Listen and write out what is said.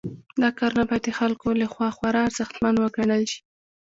دا کارونه باید د خلکو لخوا خورا ارزښتمن وګڼل شي.